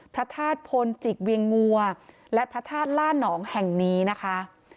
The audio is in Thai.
พระธาตุพลจิกเวียงงัวและพระธาตุล่านองแห่งนี้นะคะ